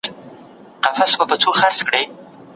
زړه مو پاک وساتئ.